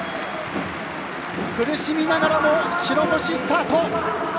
苦しみながらも白星スタート。